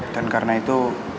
dan karena itu